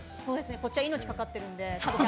こっちは命かかってるので。